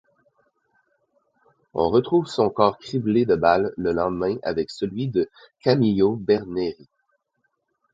On retrouve son corps criblé de balles le lendemain avec celui de Camillo Berneri.